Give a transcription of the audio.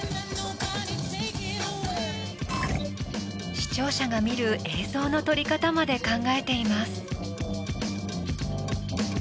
視聴者が見る映像の撮り方まで考えています。